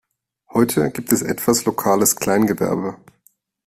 Heute gibt es etwas lokales Kleingewerbe.